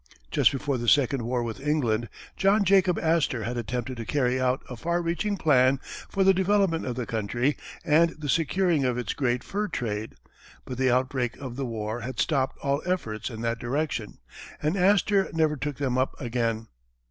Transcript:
Just before the second war with England, John Jacob Astor had attempted to carry out a far reaching plan for the development of the country and the securing of its great fur trade, but the outbreak of the war had stopped all efforts in that direction, and Astor never took them up again.